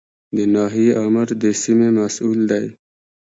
د ناحیې آمر د سیمې مسوول دی